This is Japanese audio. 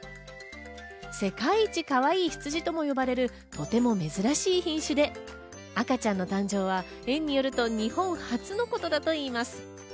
世界一かわいいヒツジとも呼ばれる、とても珍しい品種で、赤ちゃんの誕生は年によると、日本初のことだといいます。